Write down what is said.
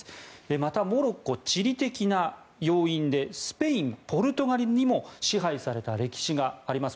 また、モロッコ地理的な要因でスペイン、ポルトガルにも支配された歴史があります。